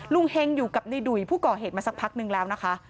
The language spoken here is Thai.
เฮงอยู่กับในดุ่ยผู้ก่อเหตุมาสักพักนึงแล้วนะคะ